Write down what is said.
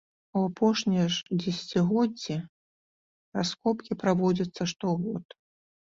У апошнія ж дзесяцігоддзі раскопкі праводзяцца штогод.